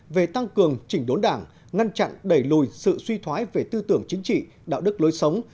về tăng cường chỉnh đốn đảng ngăn chặn đẩy lùi sự suy thoái về tư tưởng chính trị đạo đức lối sống